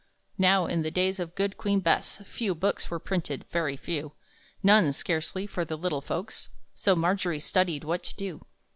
Now, in the days of good Queen Bess, Few books were printed, very few None, scarcely, for the little folks; So Margery studied what to do.